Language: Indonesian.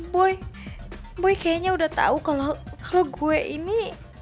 boy boy kayaknya udah tau kalau gue ini